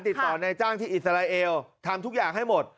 ติดต่อในจ้างที่อิสราเอลทำทุกอย่างให้หมด